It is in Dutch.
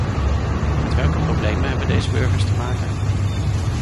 Met welke problemen hebben deze burgers te maken?